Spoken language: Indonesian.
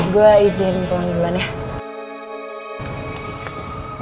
gue izin pelan pelan ya